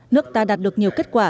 nước ta đạt được nhiều kết quả